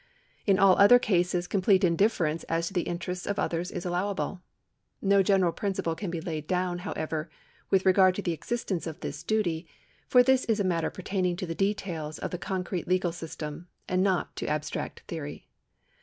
In all other cases complete indifference as to the interests of others is allowable. No general principle can be laid down, however, with regard to the existence of this duty, for this is a matter pertaining to the details of the concrete legal system, and not to abstract theory.